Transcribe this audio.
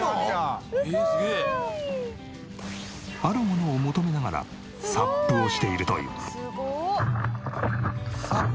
あるものを求めながらサップをしているという。